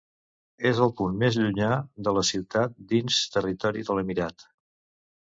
És el punt més llunyà de la ciutat dins territori de l'emirat.